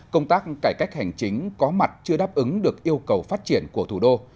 công tác cải cách hành chính có mặt chưa đáp ứng được yêu cầu phát triển của thủ đô